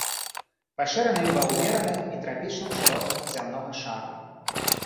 Пашыраны ва ўмераных і трапічных шыротах зямнога шара.